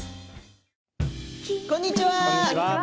こんにちは。